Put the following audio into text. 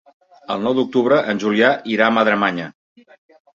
El nou d'octubre en Julià irà a Madremanya.